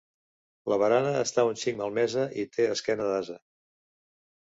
La barana està un xic malmesa i té esquena d'ase.